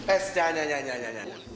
eh jangan jangan jangan